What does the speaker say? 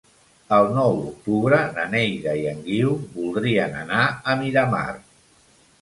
El nou d'octubre na Neida i en Guiu voldrien anar a Miramar.